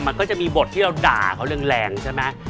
มันก็จะมีบทที่เราด่าเขาแรงใช่ไหม